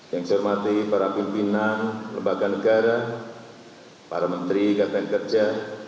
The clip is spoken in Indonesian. yang saya hormati para pimpinan lembaga negara para menteri kabinet kerja